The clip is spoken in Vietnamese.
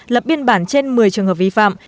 lập biên bản trên một mươi trường hợp vi phạm